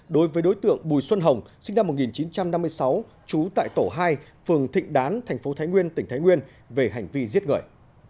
đối với đối tượng bùi xuân hồng sinh năm một nghìn chín trăm năm mươi sáu trú tại tổ hai phường thịnh đán tp thái nguyên tỉnh thái nguyên về hành vi giết người